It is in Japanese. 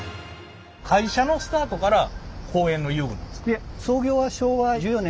会社のスタートから公園の遊具なんですか？